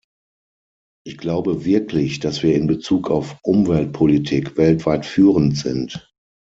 Ich glaube wirklich, dass wir in Bezug auf Umweltpolitik weltweit führend sind.